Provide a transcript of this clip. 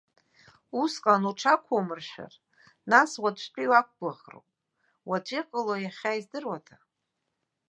Усҟан уҽақәумыршәар, нас уаҵәтәи уақәгәыӷроуп, уаҵә иҟало иахьа издыруада!